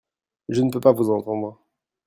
Je ne peux pas vous entendre.